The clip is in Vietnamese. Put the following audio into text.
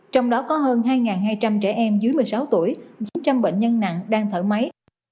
trong đó có hơn hai hai trăm linh trẻ em dưới một mươi sáu tuổi chín trăm linh bệnh nhân nặng đang thở máy